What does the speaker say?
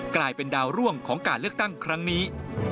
กลายเป็นดาวร่วงของการเลือกตั้งครั้งนี้